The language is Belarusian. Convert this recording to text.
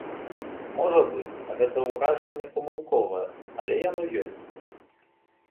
Можа быць, гэтае ўражанне памылковае, але яно ёсць.